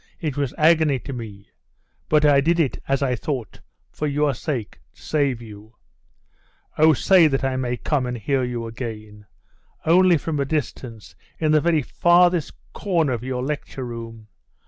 It was agony to me; but I did it, as I thought, for your sake to save you. Oh, say that I may come and hear you again! Only from a distance in the very farthest corner of your lecture room.